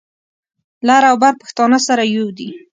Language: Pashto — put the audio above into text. لر او بر پښتانه سره یو دي.